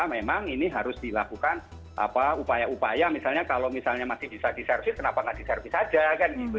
memang ini harus dilakukan upaya upaya misalnya kalau misalnya masih bisa diservis kenapa nggak diservis saja kan gitu